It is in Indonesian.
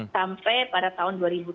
sampai pada tahun dua ribu tiga